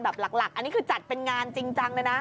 แบบหลักอันนี้คือจัดเป็นงานจริงจัง